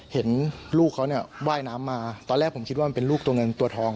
เห็นลูกเขาเนี่ยว่ายน้ำมาตอนแรกผมคิดว่ามันเป็นลูกตัวเงินตัวทอง